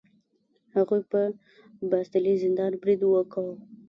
هغوی په باستیلي زندان برید وکړ.